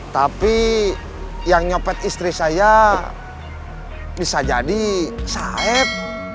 tapi yang nyopet istri saya bisa jadi saib